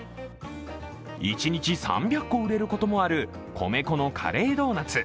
一日３００個売れることもある米粉のカレードーナツ。